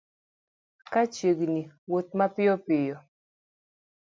Ka chiegni wuoth mapiyo piyo